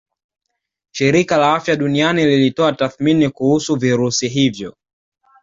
Shirika la Afya Duniani lilitoa tathmini kuhusu virusi hivyo